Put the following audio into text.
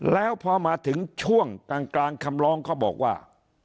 แล้วพอมาถึงช่วงกลางคำลองก็บอกว่า